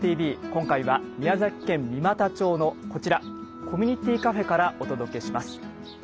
今回は宮崎県三股町のこちらコミュニティーカフェからお届けします。